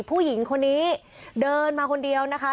ผู้หญิงคนนี้เดินมาคนเดียวนะคะ